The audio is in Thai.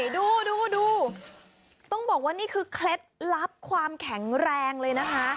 ดูต้องบอกว่านี่คือเคล็ดลับความแข็งแรงเลยนะคะ